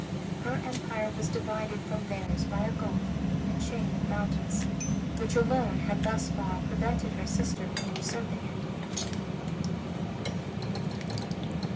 Her empire was divided from theirs by a gulf and chain of mountains, which alone had thus far prevented her sister from usurping it.